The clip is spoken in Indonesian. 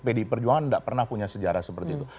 pdi perjuangan tidak pernah punya sejarah seperti itu